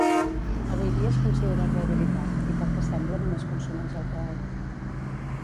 Avui dia es considera rehabilitat i pel que sembla només consumeix alcohol.